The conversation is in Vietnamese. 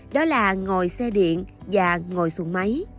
đó là ngồi xe điện và ngồi xuống máy